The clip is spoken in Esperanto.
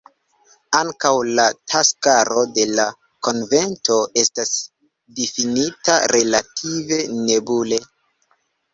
Ankaŭ la taskaro de la konvento estas difinita relative nebule.